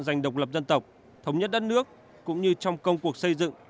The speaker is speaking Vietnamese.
dành độc lập dân tộc thống nhất đất nước cũng như trong công cuộc xây dựng